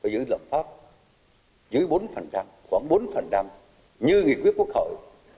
giữ lạm phát dưới bốn khoảng bốn như nghị quyết quốc hội